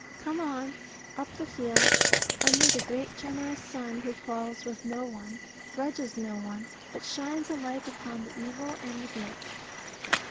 Come on, up the field, under the great generous sun, who quarrels with no one, grudges no one, but shines alike upon the evil and the good.